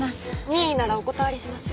任意ならお断りします。